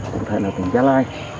cụ thể là tình gia lai